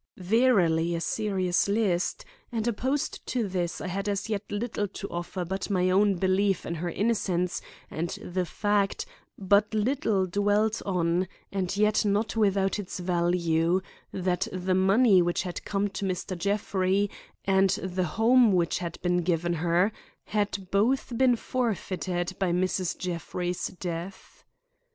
Verily, a serious list; and opposed to this I had as yet little to offer but my own belief in her innocence and the fact, but little dwelt on and yet not without its value, that the money which had come to Mr. Jeffrey, and the home which had been given her, had both been forfeited by Mrs. Jeffrey's death.